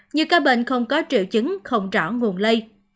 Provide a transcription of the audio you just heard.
như ca bệnh không có triệu chứng không rõ nguồn lây